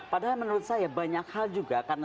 padahal menurut saya banyak hal juga karena